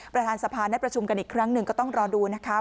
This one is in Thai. ประธานสภาได้ประชุมกันอีกครั้งหนึ่งก็ต้องรอดูนะคะ